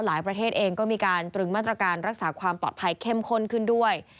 ประเทศเองก็มีการตรึงมาตรการรักษาความปลอดภัยเข้มข้นขึ้นด้วย